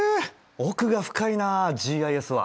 奥が深いなＧＩＳは。